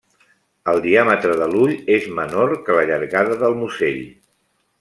El diàmetre de l'ull és menor que la llargada del musell.